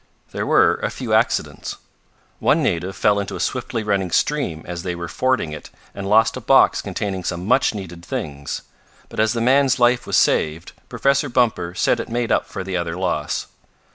There were a few accidents. One native fell into a swiftly running stream as they were fording it and lost a box containing some much needed things. But as the man's life was saved Professor Bumper said it made up for the other loss.